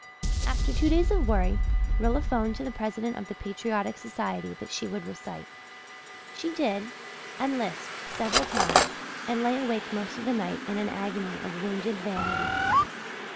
After two days of worry Rilla phoned to the president of the Patriotic Society that she would recite. She did, and lisped several times, and lay awake most of the night in an agony of wounded vanity.